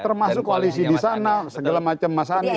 termasuk koalisi di sana segala macam mas anies